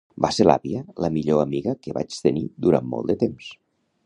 Va ser l’àvia la millor amiga que vaig tenir durant molt de temps.